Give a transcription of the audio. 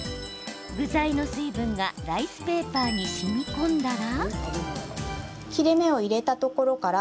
具材の水分がライスペーパーにしみこんだら。